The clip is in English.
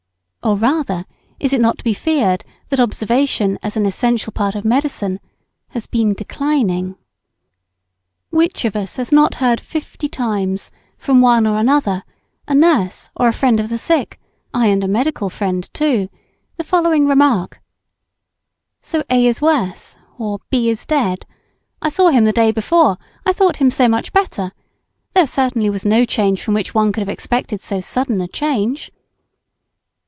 Or, rather, is it not to be feared that observation, as an essential part of medicine, has been declining? Which of us has not heard fifty times, from one or another, a nurse, or a friend of the sick, aye, and a medical friend too, the following remark: "So A is worse, or B is dead. I saw him the day before; I thought him so much better; there certainly was no appearance from which one could have expected so sudden (?) a change."